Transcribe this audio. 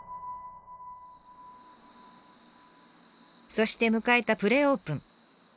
そして迎えたプレオープン。